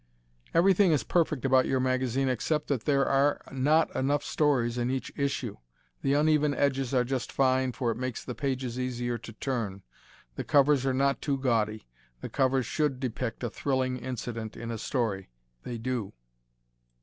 Everything is perfect about your magazine except that there are not enough stories in each issue. The uneven edges are just fine, for it makes the pages easier to turn. The covers are not too gaudy. The covers should depict a thrilling incident in a story; they do.